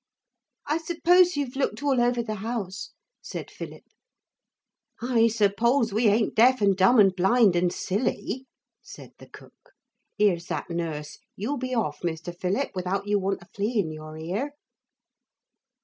'I suppose you've looked all over the house,' said Philip. 'I suppose we ain't deaf and dumb and blind and silly,' said the cook. 'Here's that nurse. You be off, Mr. Philip, without you want a flea in your ear.'